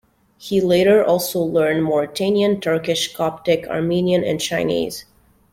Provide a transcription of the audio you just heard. He later also learned Mauritanian, Turkish, Coptic, Armenian and Chinese.